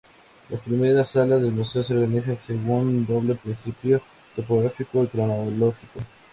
Las primeras salas del museo se organizan según un doble principio: topográfico y cronológico.